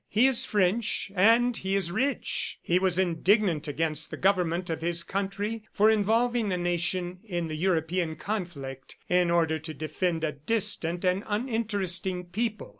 He is French, and he is rich. He was indignant against the government of his country for involving the nation in the European conflict in order to defend a distant and uninteresting people.